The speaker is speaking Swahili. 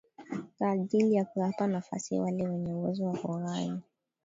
Kwa ajili ya kuwapa nafasi wale wenye uwezo wa kughani